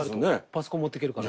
パソコン持っていけるから。